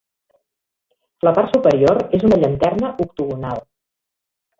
La part superior és una llanterna octogonal.